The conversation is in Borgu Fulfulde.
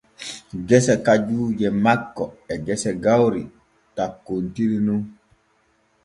Gese kajuuje makko e gese gawri takkontiri nun.